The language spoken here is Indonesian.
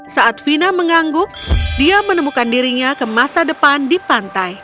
saat vina mengangguk dia menemukan dirinya ke masa depan di pantai